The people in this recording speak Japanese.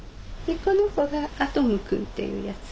この子がアトムくんっていうやつ。